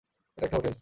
এটা একটা হোটেল।